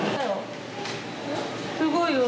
すごいよ。